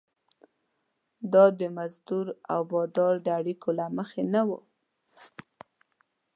دا د مزدور او بادار د اړیکو له مخې نه وه.